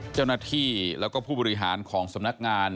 เจ้าหน้าที่แล้วก็ผู้บริหารของสำนักงาน